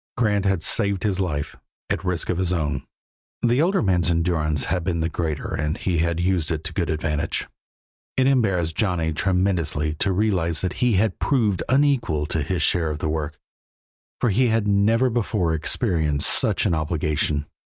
Grant had saved his life, at risk of his own; the older man's endurance had been the greater and he had used it to good advantage. It embarrassed Johnny tremendously to realize that he had proved unequal to his share of the work, for he had never before experienced such an obligation.